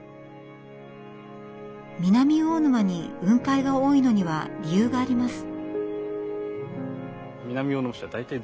南魚沼に雲海が多いのには理由があります。